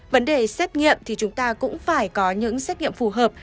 vấn đề xét nghiệm thì chúng ta cũng phải có những xét nghiệm phù hợp